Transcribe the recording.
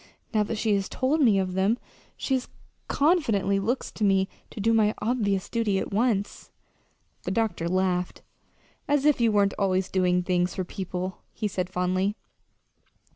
Now that she has told me of them, she confidently looks to me to do my obvious duty at once." The doctor laughed. "As if you weren't always doing things for people," he said fondly.